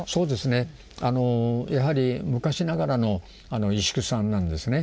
あのやはり昔ながらの石工さんなんですね。